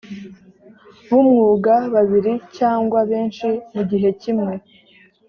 b umwuga babiri cyangwa benshi mu gihe kimwe